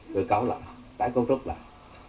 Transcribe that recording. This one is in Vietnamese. cơ cấu lại tái cấu trúc lại